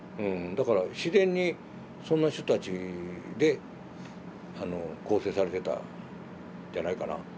だから自然にそんな人たちで構成されてたんじゃないかな。